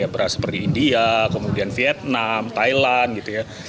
beras seperti india kemudian vietnam thailand gitu ya